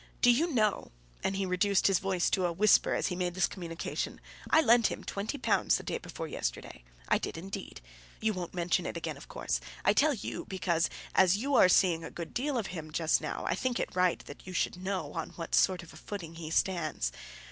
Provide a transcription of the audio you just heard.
Do you know," and he reduced his voice to a whisper as he made this communication, "I lent him twenty pounds the day before yesterday; I did indeed. You won't mention it again, of course. I tell you, because, as you are seeing a good deal of him just now, I think it right that you should know on what sort of a footing he stands."